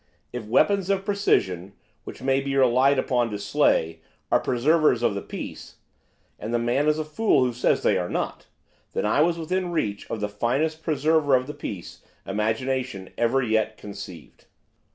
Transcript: If weapons of precision, which may be relied upon to slay, are preservers of the peace and the man is a fool who says that they are not! then I was within reach of the finest preserver of the peace imagination ever yet conceived.